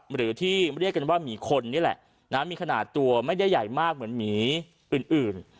หรือที่เรียกกันว่ามีคนนี่แหละมีขนาดตัวไม่ได้ใหญ่มากเหมือนหมีอื่น